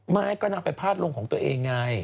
ไม่ก็นางไปพาดลงของตัวเองไง